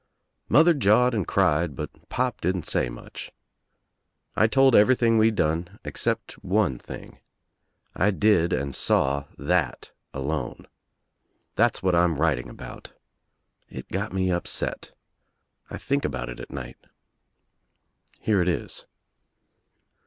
Mother jawed and cried but Pop didn't say much. I 'tld everything wc done except one thing. I did sp^ .aw that alone. That's what I'm writing about. It got me upset. I think about It at night. Here it Is.